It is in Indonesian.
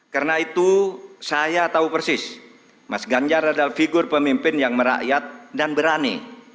karena itu saya tahu persis mas ganjar adalah figur pemimpin yang merakyat dan berani